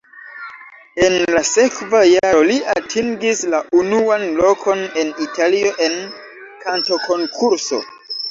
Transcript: En la sekva jaro li atingis la unuan lokon en Italio en kantokonkurso.